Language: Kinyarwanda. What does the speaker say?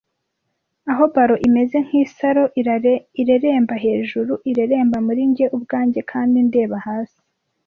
Aho ballon imeze nk'isaro ireremba hejuru, (ireremba muri njye ubwanjye kandi ndeba hasi,)